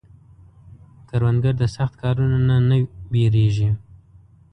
کروندګر د سخت کارونو نه نه وېرېږي